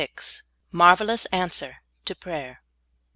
XXVI. MARVKI.OUS ANSWER TO PRAYER.